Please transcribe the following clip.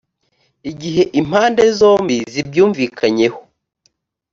igihe impande zombi zibyumvikanyeho